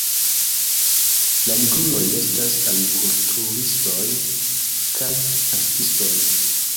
La nigruloj estas agrikulturistoj kaj paŝtistoj.